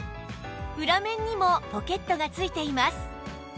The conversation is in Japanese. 裏面にもポケットがついています